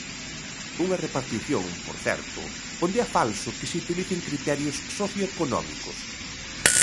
Unha repartición, por certo, onde é falso que se utilicen criterios socioeconómicos.